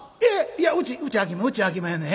いやうちうちあきまうちあきまへんねん。